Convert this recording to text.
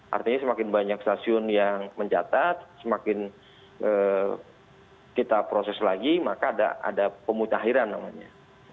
artinya semakin banyak stasiun yang mencatat semakin kita proses lagi maka ada pemutahiran namanya